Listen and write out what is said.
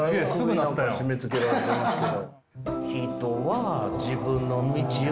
何か締めつけられてますけど。